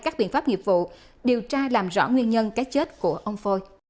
các biện pháp nghiệp vụ điều tra làm rõ nguyên nhân cái chết của ông phôi